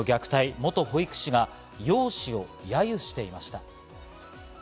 元保育士が容姿を揶揄していました。